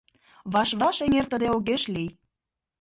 — Ваш-ваш эҥертыде огеш лий.